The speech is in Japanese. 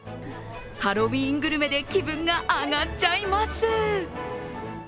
ハロウィーングルメで気分が上がっちゃいます。